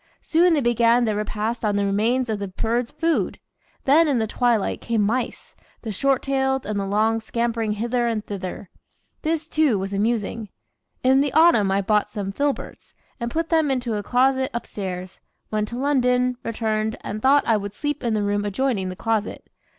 Soon they began their repast on the remains of the birds' food. Then in the twilight came mice, the short tailed and the long, scampering hither and thither. This, too, was amusing. In the autumn I bought some filberts, and put them into a closet upstairs, went to London, returned, and thought I would sleep in the room adjoining the closet.